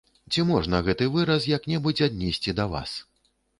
Ці можна гэты выраз як-небудзь аднесці і да вас?